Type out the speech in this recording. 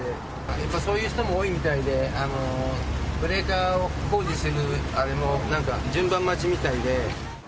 やっぱそういう人も多いみたいで、ブレーカーを工事するあれも、なんか順番待ちみたいで。